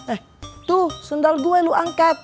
eh tuh sundal gue lu angkat